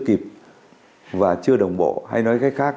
kịp và chưa đồng bộ hay nói cách khác